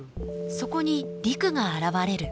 そこに陸が現れる。